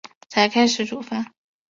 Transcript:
才开始煮饭